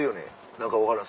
何か分からん